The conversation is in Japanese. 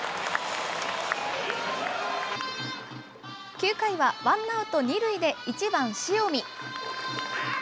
９回はワンアウト２塁で１番塩見。